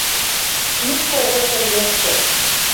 Пиш кого шӹргӹшкӹ